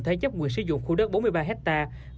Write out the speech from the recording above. thế chấp người sử dụng khu đất bốn mươi ba hectare